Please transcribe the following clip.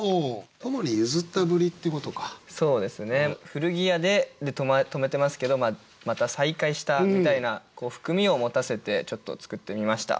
「古着屋で」で止めてますけどまた再会したみたいな含みを持たせてちょっと作ってみました。